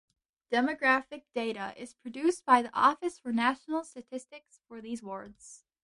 Demographic data is produced by the Office for National Statistics for these wards.